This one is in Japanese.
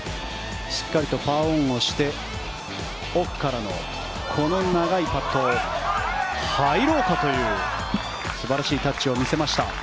しっかりとパーオンをして奥からのこの長いパット入ろうかという素晴らしいタッチを見せました。